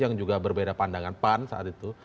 yang juga berbeda pandangan pan saat itu